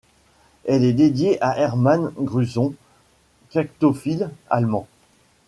Elle est dédiée à Hermann Gruson, cactophile allemand.